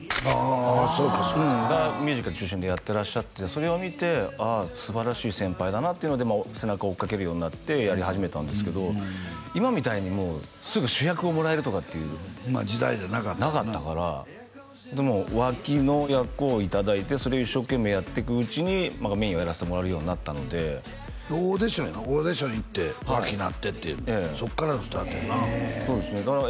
あそうかそうかがミュージカル中心でやってらっしゃってそれを見て「ああすばらしい先輩だな」っていうので背中追っかけるようになってやり始めたんですけど今みたいにもうすぐ主役をもらえるとかって時代じゃなかったななかったからホントもう脇の役をいただいてそれを一生懸命やってくうちにメインをやらせてもらえるようになったのでオーディションやなオーディション行って脇なってってそっからのスタートやなそうですね